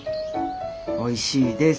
おいしいです。